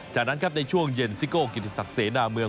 จากนั้นครับในช่วงเย็นซิโก้กิติศักดิ์เสนาเมือง